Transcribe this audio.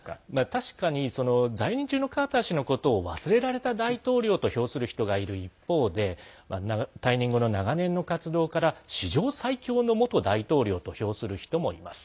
確かに在任中のカーター氏のことを忘れられた大統領と評する人がいる一方で退任後の長年の活動から史上最強の元大統領と評する人もいます。